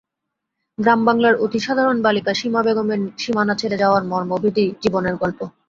গ্রামবাংলার অতি সাধারণ বালিকা সীমা বেগমের সীমানা ছেড়ে যাওয়ার মর্মভেদী জীবনের গল্প।